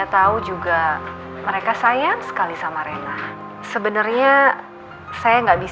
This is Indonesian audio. udah bu kami pamit ya